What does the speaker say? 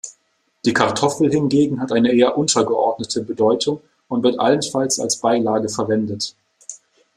Die Kartoffel hingegen hat eine eher untergeordnete Bedeutung und wird allenfalls als Beilage verwendet.